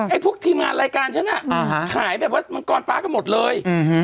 ไอ้พวกทีมงานรายการฉันอ่ะอ่าฮะขายแบบว่ามันกรฟ้าก็หมดเลยอืมฮะ